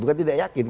bukan tidak yakin